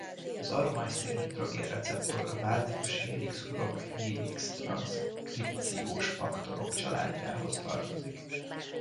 Az aromás szénhidrogén receptor a bázikus hélix-hurok-hélix transzkripciós faktorok családjához tartozik.